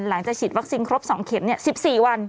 หลังจากฉีดวัคซิงข้บสองเข็ม๑๔วัน